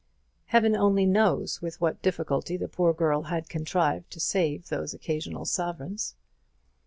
Heaven only knows with what difficulty the poor girl had contrived to save those occasional sovereigns.